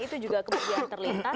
itu juga kebijakan terlintas